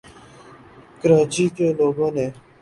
کراچی کے لوگوں نے